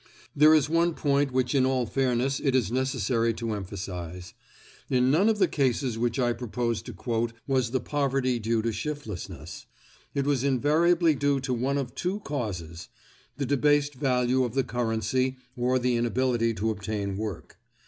There is one point which in all fairness it is necessary to emphasize. In none of the cases which I propose to quote was the poverty due to shiftlessness. It was invariably due to one of two causes: the debased value of the currency or the inability to obtain work.